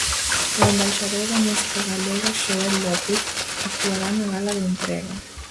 O embaixador da música galega, Xoel López, actuará na gala de entrega.